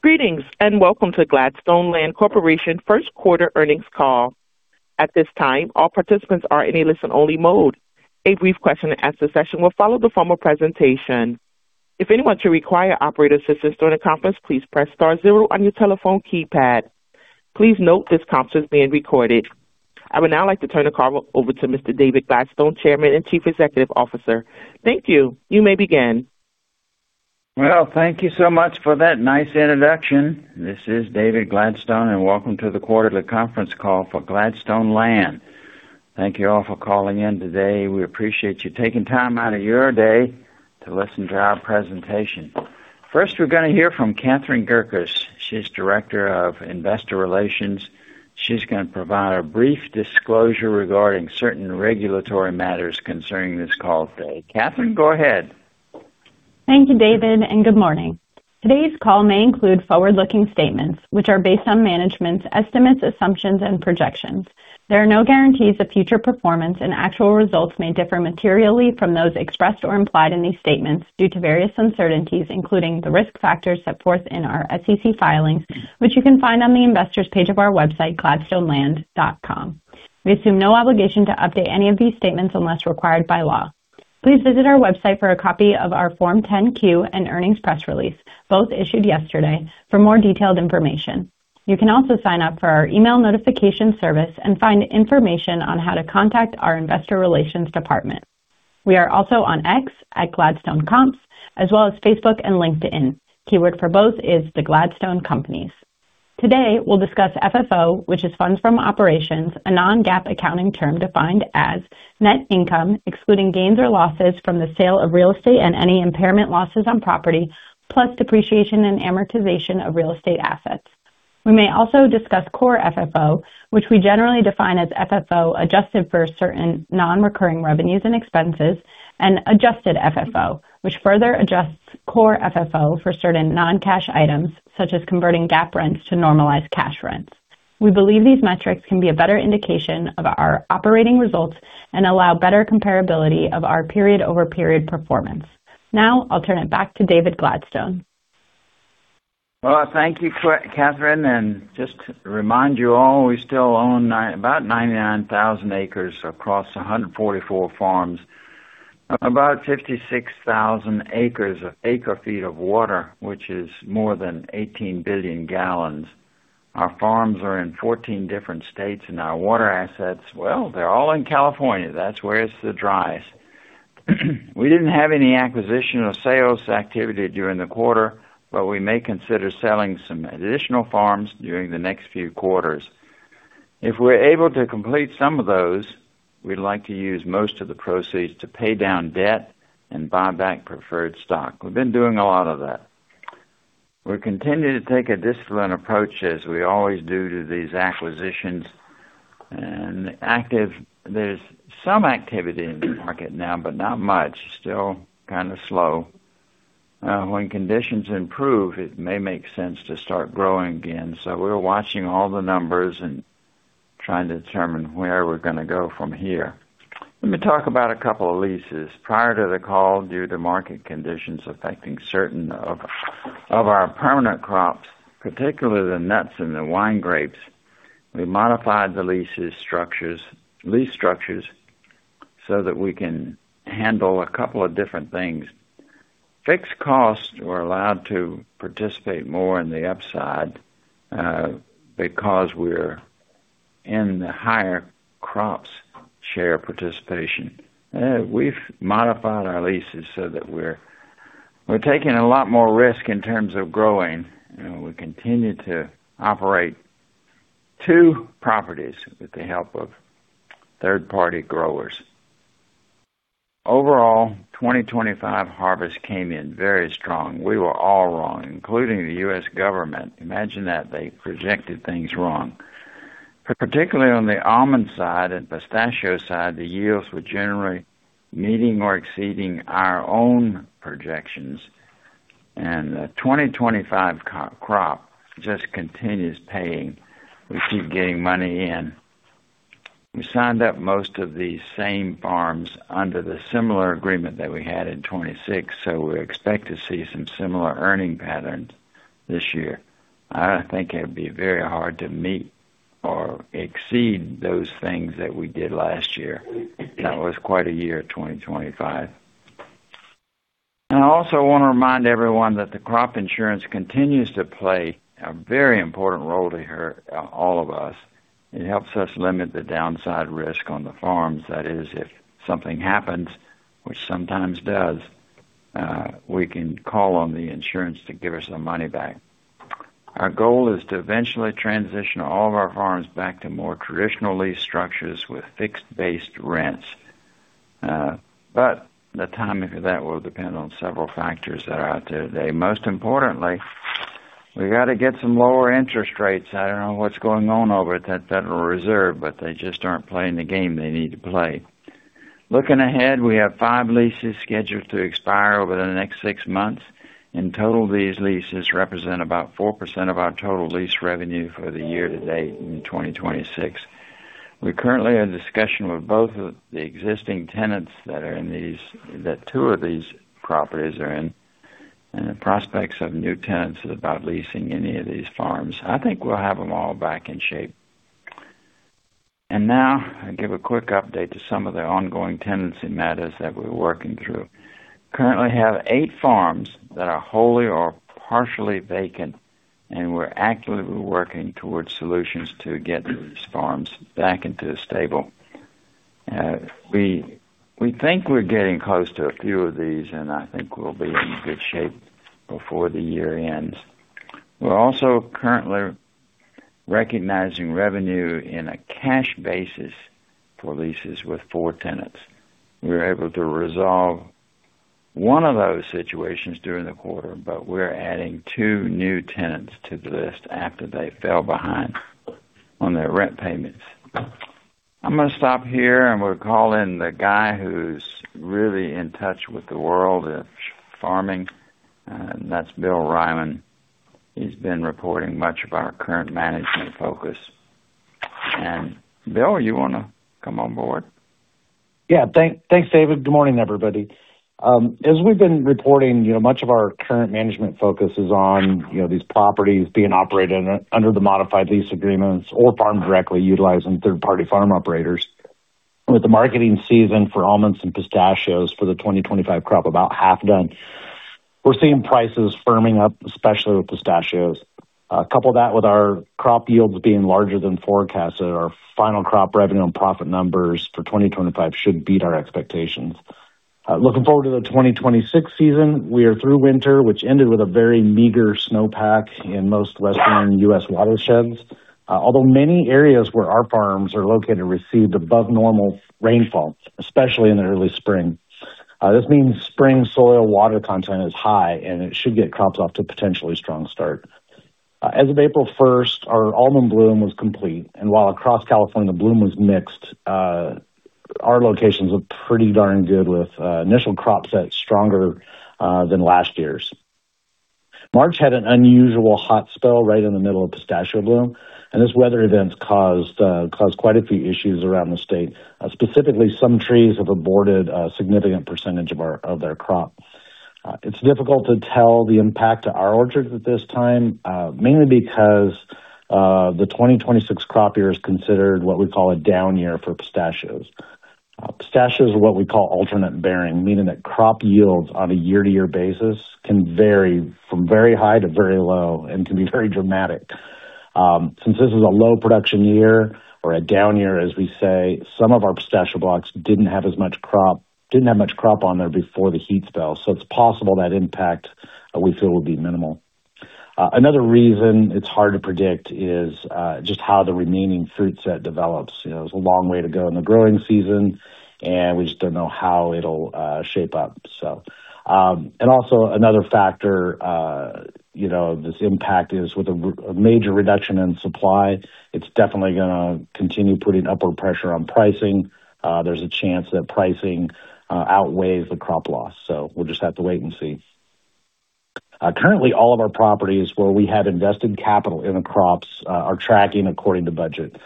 Greetings, and welcome to Gladstone Land Corporation first quarter earnings call. At this time, all participants are in a listen-only mode. A brief question-and-answer session will follow the formal presentation. If anyone should require operator assistance during the conference, please press star zero on your telephone keypad. Please note this conference is being recorded. I would now like to turn the call over to Mr. David Gladstone, Chairman and Chief Executive Officer. Thank you. You may begin. Well, thank you so much for that nice introduction. This is David Gladstone. Welcome to the quarterly conference call for Gladstone Land. Thank you all for calling in today. We appreciate you taking time out of your day to listen to our presentation. First, we're gonna hear from Catherine Gerkis. She's the Director of Investor Relations. She's gonna provide a brief disclosure regarding certain regulatory matters concerning this call today. Catherine, go ahead. Thank you, David. Good morning. Today's call may include forward-looking statements which are based on management's estimates, assumptions, and projections. There are no guarantees of future performance, and actual results may differ materially from those expressed or implied in these statements due to various uncertainties, including the risk factors set forth in our SEC filings, which you can find on the investors page of our website, gladstoneland.com. We assume no obligation to update any of these statements unless required by law. Please visit our website for a copy of our Form 10-Q and earnings press release, both issued yesterday, for more detailed information. You can also sign up for our email notification service and find information on how to contact our investor relations department. We are also on X at Gladstone Companies as well as Facebook and LinkedIn. Keyword for both is The Gladstone Companies. Today, we'll discussed Funds from Operations, which is funds from operations, a non-GAAP accounting term defined as net income excluding gains or losses from the sale of real estate and any impairment losses on property, plus depreciation and amortization of real estate assets. We may also discuss Core FFO, which we generally define as FFO, adjusted for certain non-recurring revenues and expenses, and Adjusted FFO, which further Adjusts Core FFO for certain non-cash items such as converting GAAP rents to normalized cash rents. We believe these metrics can be a better indication of our operating results and allow better comparability of our period-over-period performance. Now, I'll turn it back to David Gladstone. Thank you, Catherine Gerkis. Just to remind you all, we still own about 99,000 acres across 144 farms, about 56,000 acres of acre feet of water, which is more than 18 billion gallons. Our farms are in 14 different states, and our water assets, well, they're all in California. That's where it's the driest. We didn't have any acquisition or sales activity during the quarter, but we may consider selling some additional farms during the next few quarters. If we're able to complete some of those, we'd like to use most of the proceeds to pay down debt and buy back preferred stock. We've been doing a lot of that. We're continuing to take a disciplined approach, as we always do, to these acquisitions. There's some activity in the market now, but not much. Still kind of slow. When conditions improve, it may make sense to start growing again. We're watching all the numbers and trying to determine where we're gonna go from here. Let me talk about a couple of leases. Prior to the call, due to market conditions affecting certain of our permanent crops, particularly the nuts and the wine grapes, we modified the lease structures so that we can handle a couple of different things. Fixed costs were allowed to participate more in the upside, because we're in the higher crop share participation. We've modified our leases so that we're taking a lot more risk in terms of growing. You know, we continue to operate two properties with the help of third-party growers. Overall, 2025 harvest came in very strong. We were all wrong, including the U.S. government. Imagine that they projected things wrong. Particularly on the almond side and pistachio side, the yields were generally meeting or exceeding our own projections, and the 2025 C-crop just continues paying. We keep getting money in. We signed up most of these same farms under the similar agreement that we had in 2026. We expect to see some similar earning patterns this year. I think it'd be very hard to meet or exceed those things that we did last year. That was quite a year, 2025. I also wanna remind everyone that the crop insurance continues to play a very important role to hear, all of us. It helps us limit the downside risk on the farms. That is, if something happens, which sometimes does, we can call on the insurance to give us some money back. Our goal is to eventually transition all of our farms back to more traditional lease structures with fixed-based rents. The timing for that will depend on several factors that are out there today. Most importantly, we gotta get some lower interest rates. I don't know what's going on over at that Federal Reserve, they just aren't playing the game they need to play. Looking ahead, we have five leases scheduled to expire over the next six months. In total, these leases represent about 4% of our total lease revenue for the year to date in 2026. We currently are in discussion with both of the existing tenants that two of these properties are in, and the prospects of new tenants about leasing any of these farms. I think we'll have them all back in shape. Now I'll give a quick update to some of the ongoing tenancy matters that we're working through. Currently have eight farms that are wholly or partially vacant, and we're actively working towards solutions to get these farms back into a stable. We think we're getting close to a few of these, and I think we'll be in good shape before the year ends. We're also currently recognizing revenue in a cash basis for leases with four tenants. We were able to resolve one of those situations during the quarter, but we're adding two new tenants to the list after they fell behind on their rent payments. I'm gonna stop here and we'll call in the guy who's really in touch with the world of farming, and that's Bill Reiman. He's been reporting much of our current management focus. Bill, you wanna come on board? Yeah. Thanks, David. Good morning, everybody. As we've been reporting, you know, much of our current management focus is on, you know, these properties being operated under the modified lease agreements or farmed directly utilizing third-party farm operators. With the marketing season for almonds and pistachios for the 2025 crop about half done, we're seeing prices firming up, especially with pistachios. Couple that with our crop yields being larger than forecasted, our final crop revenue and profit numbers for 2025 should beat our expectations. Looking forward to the 2026 season, we are through winter, which ended with a very meager snowpack in most Western U.S. watersheds. Many areas where our farms are located received above normal rainfall, especially in the early spring. This means spring soil water content is high, it should get crops off to a potentially strong start. As of April first, our almond bloom was complete, and while across California bloom was mixed, our locations look pretty darn good with initial crop set stronger than last year's. March had an unusual hot spell right in the middle of pistachio bloom, and this weather event caused quite a few issues around the state. Specifically, some trees have aborted a significant percentage of their crop. It's difficult to tell the impact to our orchards at this time, mainly because the 2026 crop year is considered what we call a down year for pistachios. Pistachios are what we call alternate-bearing, meaning that crop yields on a year-to-year basis can vary from very high to very low and can be very dramatic. Since this is a low production year or a down year, as we say, some of our pistachio blocks didn't have much crop on there before the heat spell, so it's possible that impact we feel will be minimal. Another reason it's hard to predict is just how the remaining fruit set develops. You know, there's a long way to go in the growing season, and we just don't know how it'll shape up. Another factor, you know, this impact is with a major reduction in supply, it's definitely gonna continue putting upward pressure on pricing. There's a chance that pricing outweighs the crop loss. We'll just have to wait and see. Currently, all of our properties where we have invested capital in the crops are tracking according to budget.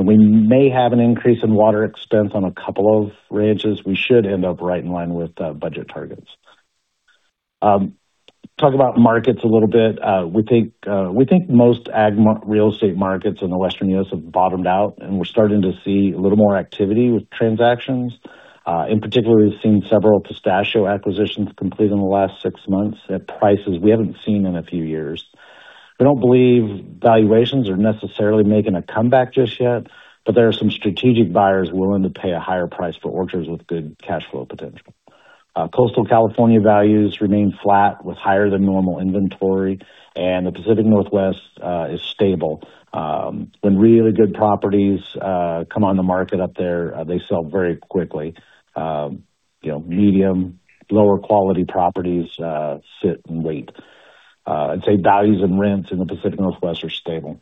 We may have an increase in water expense on a couple of ranches. We should end up right in line with budget targets. Talk about markets a little bit. We think most real estate markets in the Western U.S. have bottomed out, and we're starting to see a little more activity with transactions. In particular, we've seen several pistachio acquisitions complete in the last six months at prices we haven't seen in a few years. We don't believe valuations are necessarily making a comeback just yet, there are some strategic buyers willing to pay a higher price for orchards with good cash flow potential. Coastal California values remain flat with higher than normal inventory, and the Pacific Northwest is stable. When really good properties come on the market up there, they sell very quickly. You know, medium, lower quality properties sit and wait. I'd say values and rents in the Pacific Northwest are stable.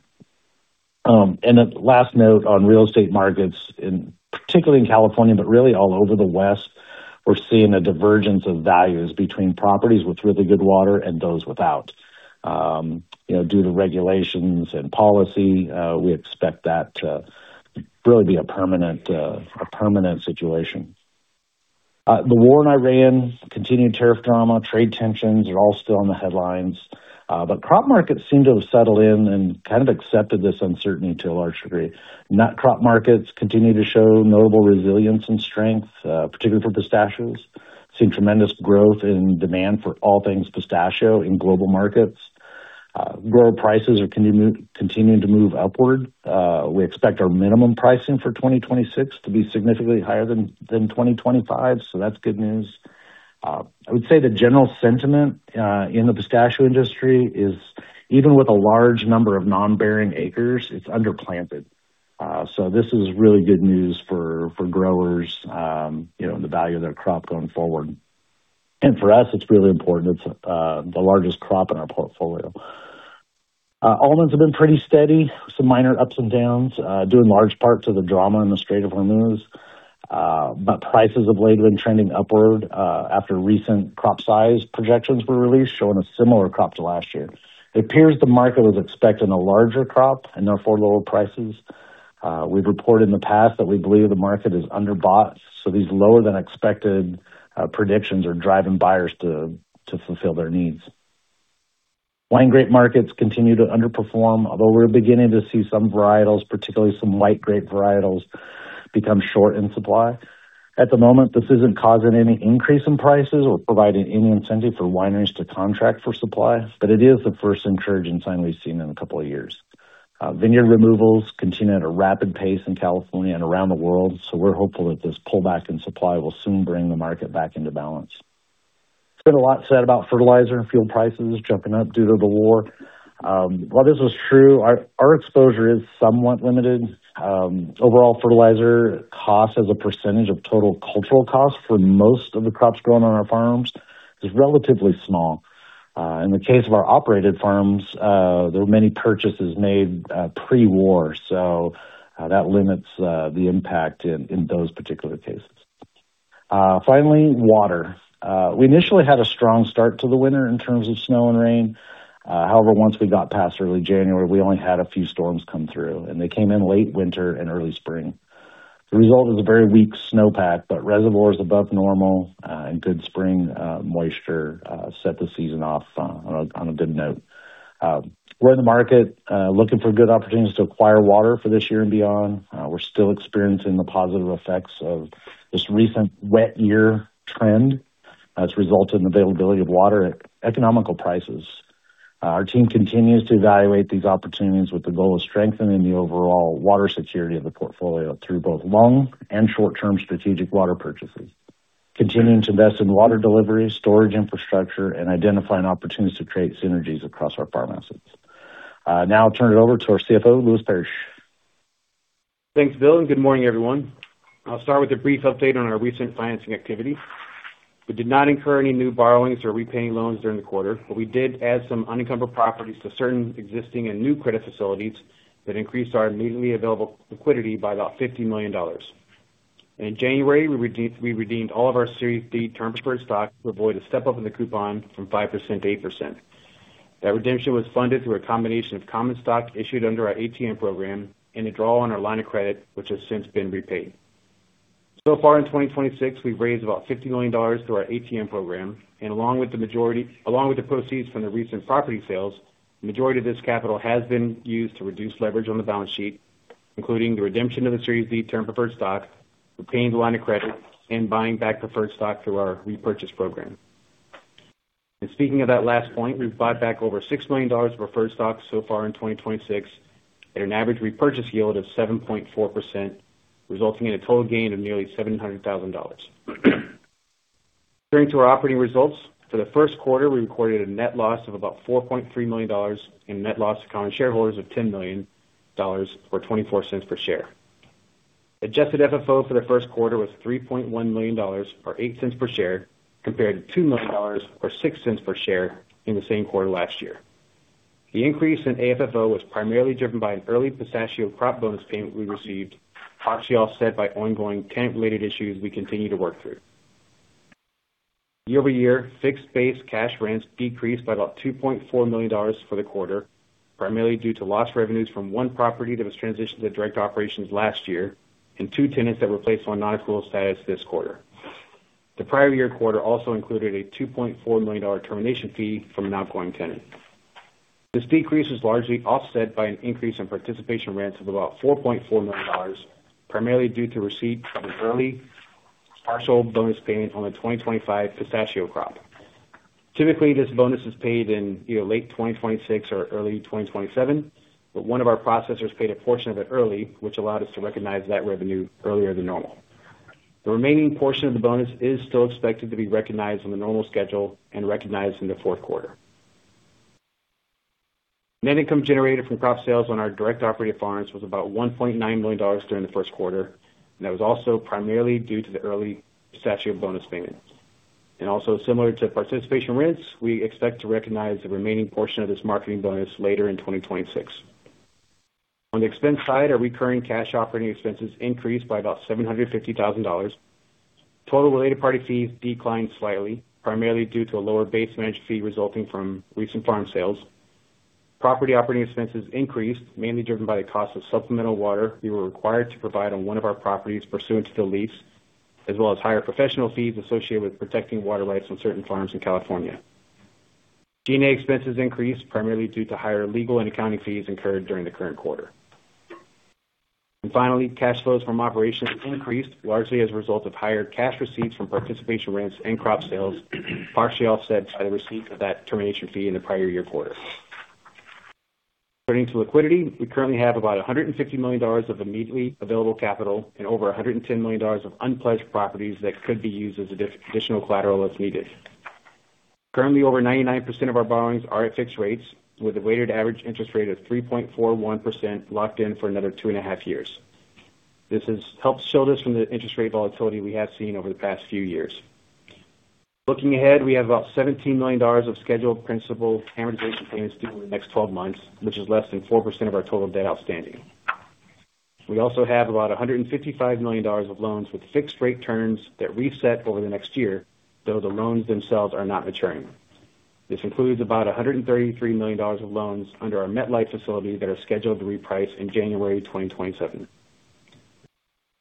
A last note on real estate markets, in particularly in California, but really all over the West, we're seeing a divergence of values between properties with really good water and those without. You know, due to regulations and policy, we expect that to really be a permanent, a permanent situation. The war in Iran, continued tariff drama, trade tensions are all still in the headlines, but crop markets seem to have settled in and kind of accepted this uncertainty to a large degree. Nut crop markets continue to show notable resilience and strength, particularly for pistachios. Seeing tremendous growth in demand for all things pistachio in global markets. Grower prices are continuing to move upward. We expect our minimum pricing for 2026 to be significantly higher than 2025, so that's good news. I would say the general sentiment in the pistachio industry is even with a large number of non-bearing acres, it's underplanted. So this is really good news for growers, you know, and the value of their crop going forward. For us, it's really important. It's the largest crop in our portfolio. Almonds have been pretty steady. Some minor ups and downs, due in large part to the drama in the Strait of Hormuz. Prices have lately been trending upward, after recent crop size projections were released showing a similar crop to last year. It appears the market was expecting a larger crop and therefore lower prices. We've reported in the past that we believe the market is under bought, these lower than expected predictions are driving buyers to fulfill their needs. Wine grape markets continue to underperform, although we're beginning to see some varietals, particularly some white grape varietals, become short in supply. At the moment, this isn't causing any increase in prices or providing any incentive for wineries to contract for supply. It is the first encouraging sign we've seen in a couple of years. Vineyard removals continue at a rapid pace in California and around the world, we're hopeful that this pullback in supply will soon bring the market back into balance. There's been a lot said about fertilizer and fuel prices jumping up due to the war. While this is true, our exposure is somewhat limited. Overall fertilizer cost as a percentage of total cultural costs for most of the crops grown on our farms is relatively small. In the case of our operated farms, there were many purchases made pre-war, that limits the impact in those particular cases. Finally, water. We initially had a strong start to the winter in terms of snow and rain. However, once we got past early January, we only had a few storms come through, and they came in late winter and early spring. The result is a very weak snowpack, but reservoirs above normal, and good spring moisture set the season off on a good note. We're in the market looking for good opportunities to acquire water for this year and beyond. We're still experiencing the positive effects of this recent wet year trend that's resulted in availability of water at economical prices. Our team continues to evaluate these opportunities with the goal of strengthening the overall water security of the portfolio through both long and short-term strategic water purchases, continuing to invest in water delivery, storage infrastructure, and identifying opportunities to create synergies across our farm assets. Now I'll turn it over to our CFO, Lewis Parrish. Thanks, Bill, and good morning, everyone. I'll start with a brief update on our recent financing activity. We did not incur any new borrowings or repay any loans during the quarter. We did add some unencumbered properties to certain existing and new credit facilities that increased our immediately available liquidity by about $50 million. In January, we redeemed all of our Series D Term Preferred Stock to avoid a step up in the coupon from 5% to 8%. That redemption was funded through a combination of common stock issued under our ATM program and a draw on our line of credit, which has since been repaid. Far in 2026, we've raised about $50 million through our ATM program along with the proceeds from the recent property sales, the majority of this capital has been used to reduce leverage on the balance sheet, including the redemption of Series D Term Preferred Stock, repaying the line of credit, and buying back preferred stock through our repurchase program. Speaking of that last point, we've bought back over $6 million of preferred stock so far in 2026 at an average repurchase yield of 7.4%, resulting in a total gain of nearly $700,000. Turning to our operating results, for the first quarter, we recorded a net loss of about $4.3 million and net loss to common shareholders of $10 million or $0.24 per share. Adjusted FFO for the first quarter was $3.1 million or $0.08 per share, compared to $2 million or $0.06 per share in the same quarter last year. The increase in AFFO was primarily driven by an early pistachio crop bonus payment we received, partially offset by ongoing tenant-related issues we continue to work through. Year-over-year, fixed base cash rents decreased by about $2.4 million for the quarter, primarily due to lost revenues from one property that was transitioned to direct operations last year and two tenants that were placed on non-rent status this quarter. The prior year quarter also included a $2.4 million termination fee from an outgoing tenant. This decrease is largely offset by an increase in participation rents of about $4.4 million, primarily due to receipt of an early partial bonus payment on the 2025 pistachio crop. Typically, this bonus is paid in either late 2026 or early 2027, but one of our processors paid a portion of it early, which allowed us to recognize that revenue earlier than normal. The remaining portion of the bonus is still expected to be recognized on the normal schedule and recognized in the fourth quarter. Net income generated from crop sales on our direct operated farms was about $1.9 million during the first quarter. That was also primarily due to the early pistachio bonus payment. Also similar to participation rents, we expect to recognize the remaining portion of this marketing bonus later in 2026. On the expense side, our recurring cash operating expenses increased by about $750,000. Total related party fees declined slightly, primarily due to a lower base management fee resulting from recent farm sales. Property operating expenses increased, mainly driven by the cost of supplemental water we were required to provide on one of our properties pursuant to the lease, as well as higher professional fees associated with protecting water rights on certain farms in California. G&A expenses increased primarily due to higher legal and accounting fees incurred during the current quarter. Finally, cash flows from operations increased largely as a result of higher cash receipts from participation rents and crop sales, partially offset by the receipt of that termination fee in the prior year quarter. Turning to liquidity, we currently have about $150 million of immediately available capital and over $110 million of unpledged properties that could be used as additional collateral as needed. Currently, over 99% of our borrowings are at fixed rates, with a weighted average interest rate of 3.41% locked in for another 2.5 years. This has helped shield us from the interest rate volatility we have seen over the past few years. Looking ahead, we have about $17 million of scheduled principal amortization payments due in the next 12 months, which is less than 4% of our total debt outstanding. We also have about $155 million of loans with fixed rate terms that reset over the next year, though the loans themselves are not maturing. This includes about $133 million of loans under our MetLife facility that are scheduled to reprice in January 2027.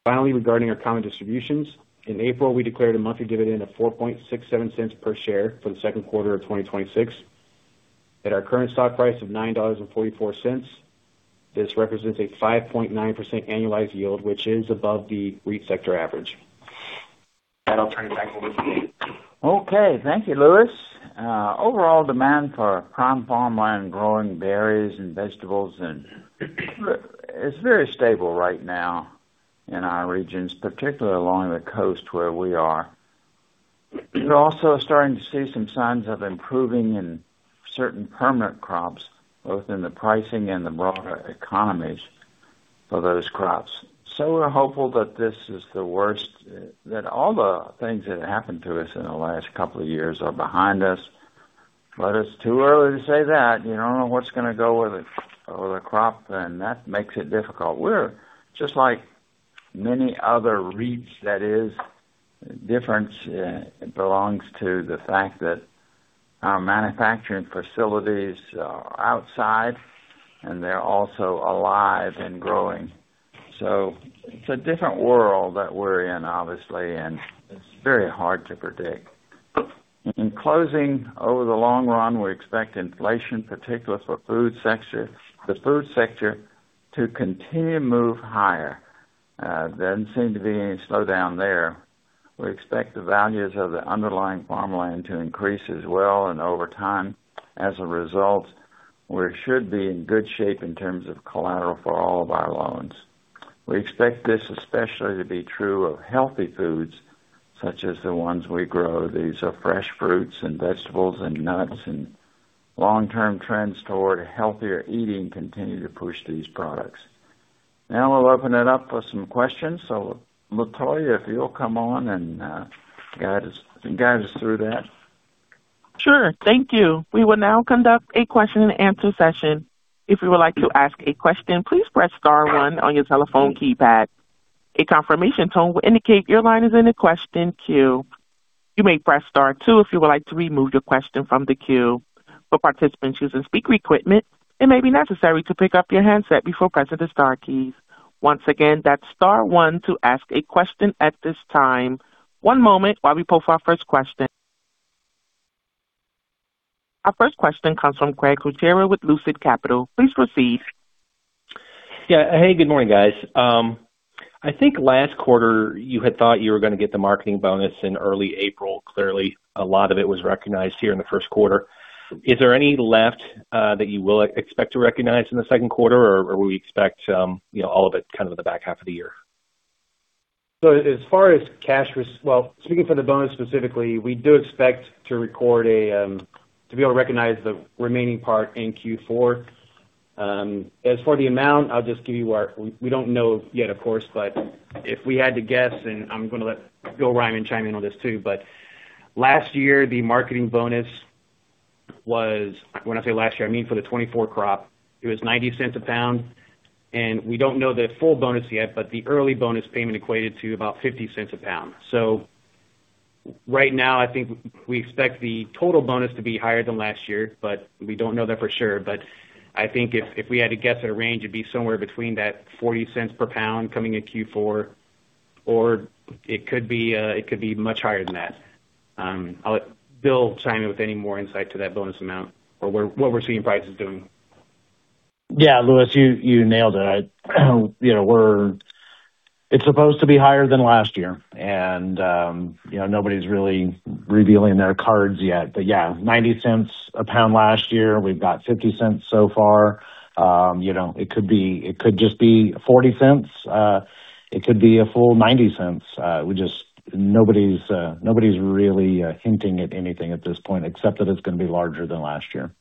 Finally, regarding our common distributions, in April, we declared a monthly dividend of $0.0467 per share for the second quarter of 2026. At our current stock price of $9.44, this represents a 5.9% annualized yield, which is above the Real Estate Investment Trust sector average. I'll turn it back over to you. Okay. Thank you, Lewis. Overall demand for prime farmland growing berries and vegetables and it's very stable right now in our regions, particularly along the coast where we are. We're also starting to see some signs of improving in certain permanent crops, both in the pricing and the broader economies for those crops. We're hopeful that all the things that happened to us in the last couple of years are behind us. It's too early to say that. You don't know what's gonna go with it, with the crop, and that makes it difficult. We're just like many other REITs that is different, belongs to the fact that our manufacturing facilities are outside and they're also alive and growing. It's a different world that we're in, obviously, and it's very hard to predict. In closing, over the long run, we expect inflation, particularly for food sector, the food sector to continue to move higher. Doesn't seem to be any slowdown there. We expect the values of the underlying farmland to increase as well and over time. As a result, we should be in good shape in terms of collateral for all of our loans. We expect this especially to be true of healthy foods, such as the ones we grow. These are fresh fruits and vegetables and nuts. Long-term trends toward healthier eating continue to push these products. Now we'll open it up for some questions. Latoya, if you'll come on and guide us through that. Sure. Thank you. We will now conduct a question and answer session. If you would like to ask a question, please press star one on your telephone keypad. A confirmation tone will indicate your line is in the question queue. You may press star two if you would like to remove your question from the queue. For participants using speaker equipment, it may be necessary to pick up your handset before pressing the star keys. Once again, that's star one to ask a question at this time. One moment while we pull for our first question. Our first question comes from Craig Kucera with Lucid Capital. Please proceed. Yeah. Hey, good morning, guys. I think last quarter you had thought you were gonna get the marketing bonus in early April. Clearly, a lot of it was recognized here in the first quarter. Is there any left that you will expect to recognize in the second quarter, or will we expect, you know, all of it kind of in the back half of the year? Speaking for the bonus specifically, we do expect to record a to be able to recognize the remaining part in Q4. As for the amount, I'll just give you our, we don't know yet, of course, but if we had to guess, and I'm gonna let Bill Reiman chime in on this too. Last year, the marketing bonus was, when I say last year, I mean for the 2024 crop, it was $0.90 a pound. We don't know the full bonus yet, but the early bonus payment equated to about $0.50 a pound. Right now, I think we expect the total bonus to be higher than last year, but we don't know that for sure. I think if we had to guess at a range, it'd be somewhere between that $0.40 per pound coming in Q4, or it could be, it could be much higher than that. I'll let Bill chime in with any more insight to that bonus amount or what we're seeing prices doing. Yeah, Lewis, you nailed it. You know, It's supposed to be higher than last year, and, you know, nobody's really revealing their cards yet. Yeah, $0.90 a pound last year. We've got $0.50 so far. You know, it could just be $0.40. It could be a full $0.90. Nobody's, nobody's really hinting at anything at this point, except that it's gonna be larger than last year.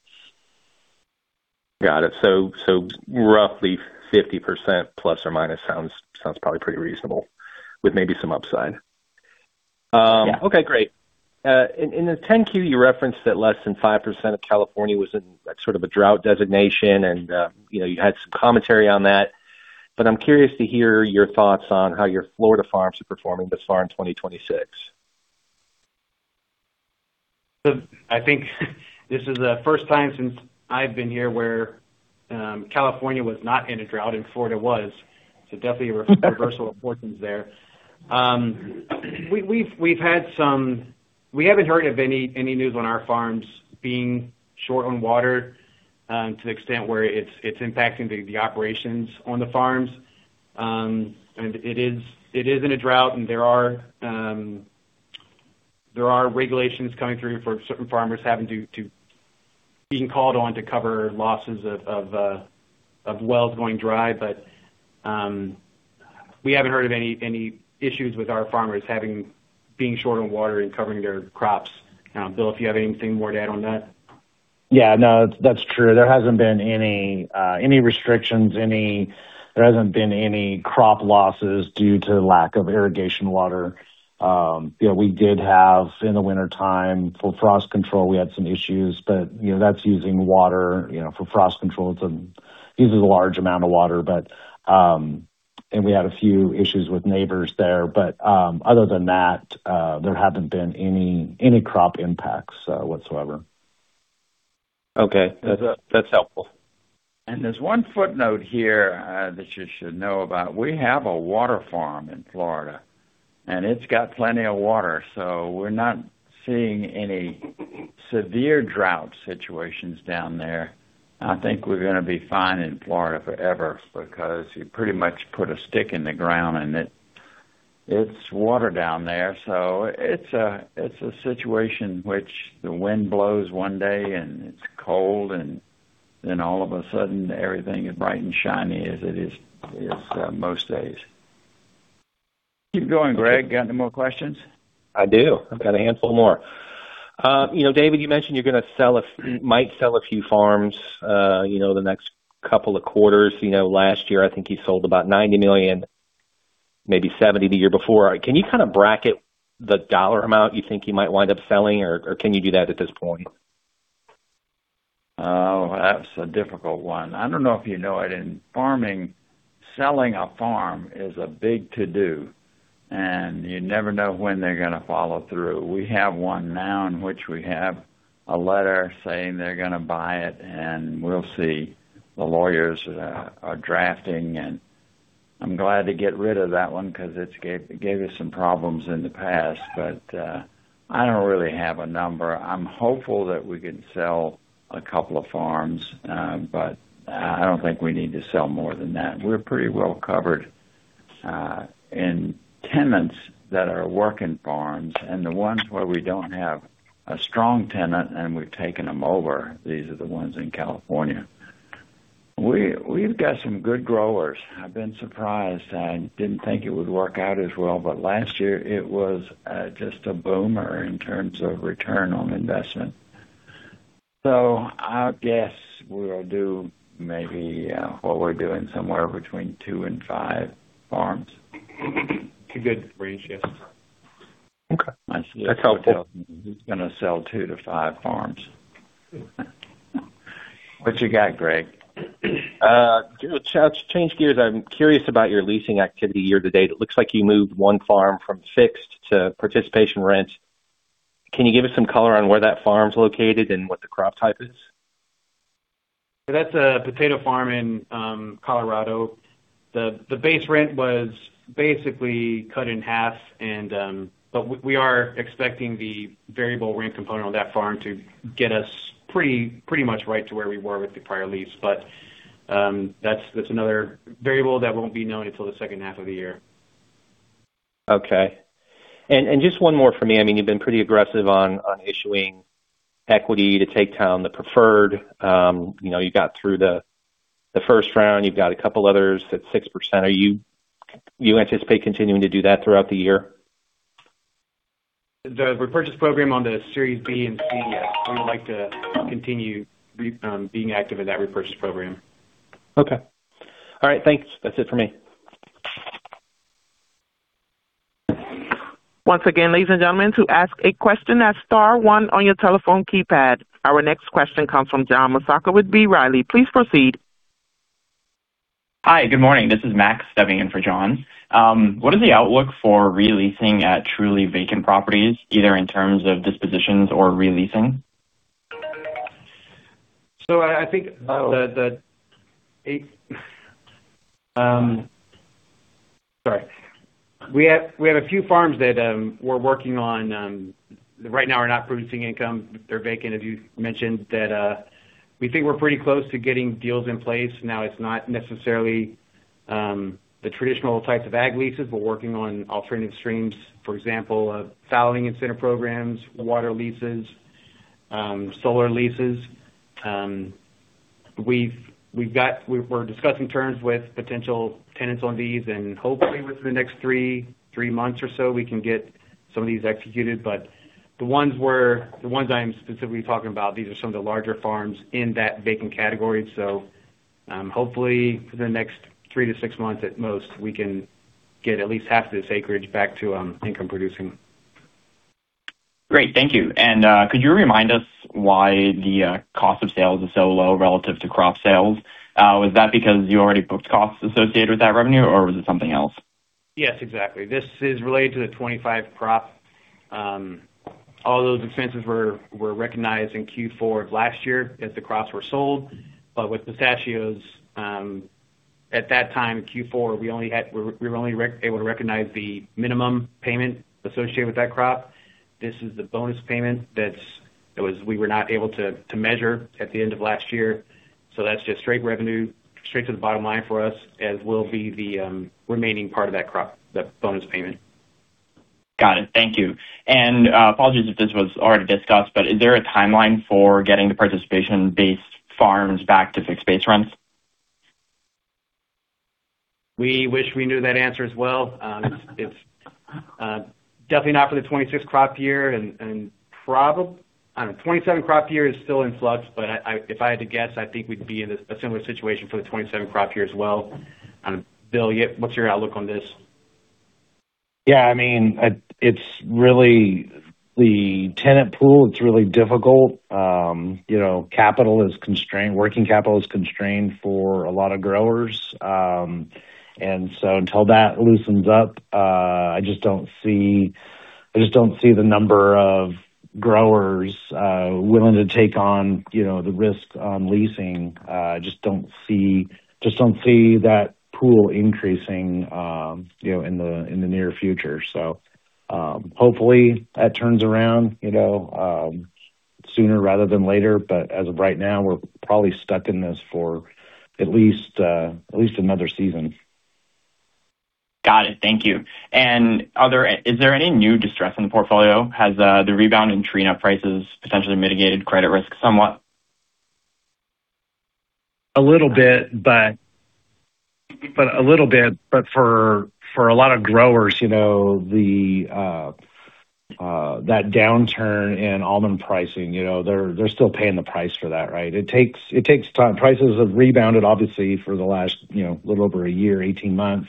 Got it. roughly ±50 sounds probably pretty reasonable with maybe some upside. Yeah. Okay, great. In the 10-Q, you referenced that less than 5% of California was in sort of a drought designation, and, you know, you had some commentary on that. I'm curious to hear your thoughts on how your Florida farms are performing thus far in 2026. I think this is the first time since I've been here where California was not in a drought and Florida was. Definitely a re-reversal of fortunes there. We haven't heard of any news on our farms being short on water to the extent where it's impacting the operations on the farms. And it is, it is in a drought, and there are regulations coming through for certain farmers having to be called on to cover losses of wells going dry. We haven't heard of any issues with our farmers being short on water and covering their crops. Bill, if you have anything more to add on that? Yeah, no, that's true. There hasn't been any crop losses due to lack of irrigation water. You know, we did have in the wintertime, for frost control, we had some issues, but, you know, that's using water, you know, for frost control, uses a large amount of water. We had a few issues with neighbors there. Other than that, there haven't been any crop impacts whatsoever. Okay. That's helpful. There's one footnote here that you should know about. We have a water farm in Florida, and it's got plenty of water. We're not seeing any severe drought situations down there. I think we're gonna be fine in Florida forever because you pretty much put a stick in the ground and it's water down there. It's a situation which the wind blows one day and it's cold, and then all of a sudden everything is bright and shiny as it is most days. Keep going, Craig Kucera. Got any more questions? I do. I've got a handful more. You know, David, you mentioned you might sell a few farms, you know, the next couple of quarters. You know, last year, I think you sold about $90 million, maybe $70 million the year before. Can you kind of bracket the dollar amount you think you might wind up selling or can you do that at this point? Oh, that's a difficult one. I don't know if you know it, in farming, selling a farm is a big to-do, and you never know when they're gonna follow through. We have one now in which we have a letter saying they're gonna buy it, and we'll see. The lawyers are drafting, and I'm glad to get rid of that one because it gave us some problems in the past. I don't really have a number. I'm hopeful that we can sell a couple of farms, but I don't think we need to sell more than that. We're pretty well covered in tenants that are working farms and the ones where we don't have a strong tenant and we've taken them over. These are the ones in California. We've got some good growers. I've been surprised. I didn't think it would work out as well, last year it was, just a boomer in terms of return on investment. I guess we'll do maybe, what we're doing somewhere between two and five farms. It's a good range, yes. Okay. That's helpful. He's gonna sell two to five farms. What you got, Craig Kucera? To change gears, I am curious about your leasing activity year to date. It looks like you moved one farm from fixed to participation rent. Can you give us some color on where that farm is located and what the crop type is? That's a potato farm in Colorado. The base rent was basically cut in half and we are expecting the variable rent component on that farm to get us pretty much right to where we were with the prior lease. That's another variable that won't be known until the second half of the year. Okay. Just one more for me. I mean, you've been pretty aggressive on issuing equity to take down the preferred, you know, you got through the first round, you've got a couple others at 6%. Do you anticipate continuing to do that throughout the year? The repurchase program on the Series B and C, we would like to continue being active in that repurchase program. Okay. All right. Thanks. That's it for me. Our next question comes from John Massocca with B. Riley. Hi, good morning. This is Max stepping in for John. What is the outlook for re-leasing at truly vacant properties, either in terms of dispositions or re-leasing? I think the Sorry. We have a few farms that we're working on. Right now are not producing income. They're vacant, as you mentioned, that we think we're pretty close to getting deals in place. It's not necessarily the traditional types of ag leases. We're working on alternative streams, for example, of fallowing incentive programs, water leases, solar leases. We're discussing terms with potential tenants on these and hopefully within the next three months or so, we can get some of these executed. The ones I'm specifically talking about, these are some of the larger farms in that vacant category. Hopefully within the next three to six months at most, we can get at least half of this acreage back to income producing. Great. Thank you. Could you remind us why the cost of sales is so low relative to crop sales? Was that because you already booked costs associated with that revenue or was it something else? Yes, exactly. This is related to the 2025 crop. All those expenses were recognized in Q4 of last year as the crops were sold. With pistachios, at that time in Q4, we were only able to recognize the minimum payment associated with that crop. This is the bonus payment that we were not able to measure at the end of last year. That's just straight revenue, straight to the bottom line for us, as will be the remaining part of that crop, the bonus payment. Got it. Thank you. Apologies if this was already discussed, but is there a timeline for getting the participation-based farms back to fixed base rents? We wish we knew that answer as well. It's definitely not for the 2026 crop year and, I don't know, 2027 crop year is still in flux, but I if I had to guess, I think we'd be in a similar situation for the 2027 crop year as well. Bill, yeah, what's your outlook on this? Yeah, I mean, it's really the tenant pool. It's really difficult. You know, capital is constrained. Working capital is constrained for a lot of growers. Until that loosens up, I just don't see the number of growers willing to take on, you know, the risk on leasing. I just don't see that pool increasing, you know, in the near future. Hopefully that turns around, you know, sooner rather than later. As of right now, we're probably stuck in this for at least another season. Got it. Thank you. Is there any new distress in the portfolio? Has the rebound in tree nut prices potentially mitigated credit risk somewhat? A little bit, but a little bit. For a lot of growers, you know, the That downturn in almond pricing, you know, they're still paying the price for that, right? It takes time. Prices have rebounded obviously for the last, you know, little over a year, 18 months.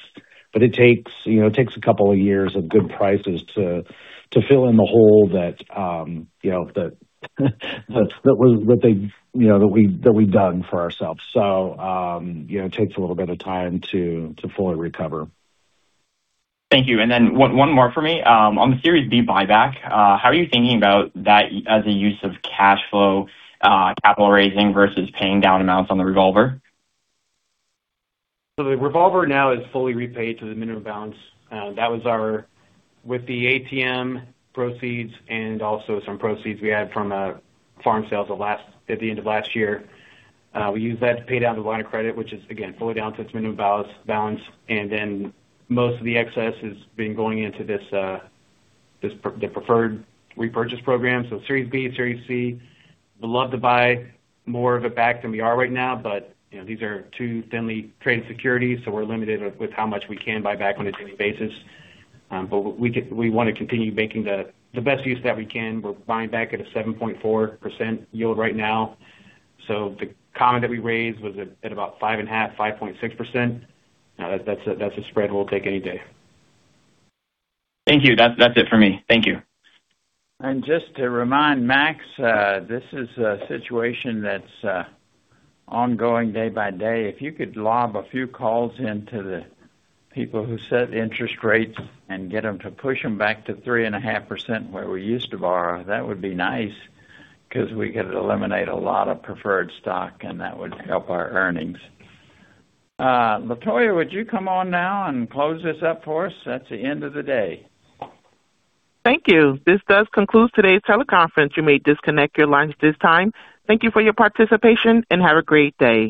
It takes, you know, it takes two years of good prices to fill in the hole that, you know, that was what they, you know, that we've done for ourselves. You know, it takes a little bit of time to fully recover. Thank you. One more for me. On the Series B buyback, how are you thinking about that as a use of cash flow, capital raising versus paying down amounts on the revolver? The revolver now is fully repaid to the minimum balance. That was with the ATM proceeds and also some proceeds we had from farm sales at the end of last year. We used that to pay down the line of credit, which is again, fully down to its minimum balance. Most of the excess has been going into this preferred repurchase program. Series B, Series C. We'd love to buy more of it back than we are right now, you know, these are two thinly traded securities, we're limited with how much we can buy back on a daily basis. We wanna continue making the best use that we can. We're buying back at a 7.4% yield right now. The comment that we raised was at about 5.5%, 5.6%. That's a spread we'll take any day. Thank you. That's it for me. Thank you. Just to remind Max, this is a situation that's ongoing day by day. If you could lob a few calls into the people who set interest rates and get them to push them back to 3.5% where we used to borrow, that would be nice because we could eliminate a lot of preferred stock, and that would help our earnings. Latoya, would you come on now and close this up for us? That's the end of the day. Thank you. This does conclude today's teleconference. You may disconnect your lines at this time. Thank you for your participation, and have a great day.